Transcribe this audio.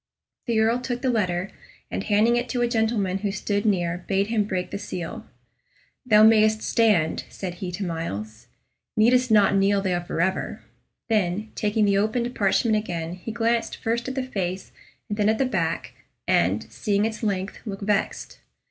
The Earl took the letter, and handing it to a gentleman who stood near, bade him break the seal. "Thou mayst stand," said he to Myles; "needst not kneel there forever." Then, taking the opened parchment again, he glanced first at the face and then at the back, and, seeing its length, looked vexed.